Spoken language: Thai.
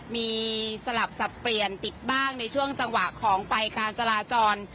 มีสลับสับเปลี่ยนติดบ้างในช่วงจังหวะของไฟการจราจร